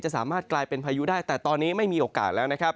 สามารถกลายเป็นพายุได้แต่ตอนนี้ไม่มีโอกาสแล้วนะครับ